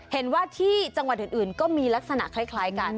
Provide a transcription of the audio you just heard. เห็นว่าที่จังหวัดอื่นก็มีลักษณะคล้ายกัน